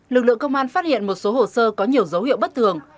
lực lượng công an phát hiện một số hồ sơ có nhiều dấu hiệu bất thường